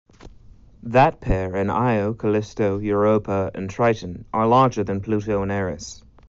That pair and Io, Callisto, Europa, and Triton, are larger than Pluto and Eris.